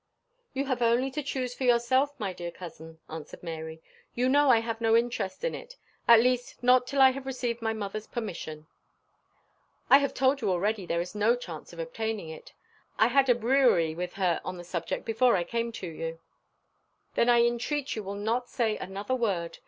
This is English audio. "You have only to choose for yourself, my dear cousin," answered Mary. "You know I have no interest in it at least not till I have received my mother's permission." "I have told you already there is no chance of obtaining it. I had a brouillerie with her on the subject before I came to you." "Then I entreat you will not say another word.